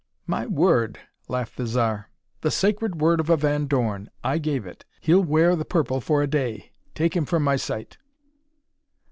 "My word," laughed the Zar. "The sacred word of a Van Dorn. I gave it. He'll wear the purple for a day. Take him from my sight!"